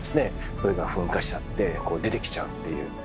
それが噴火しちゃって出てきちゃうっていう。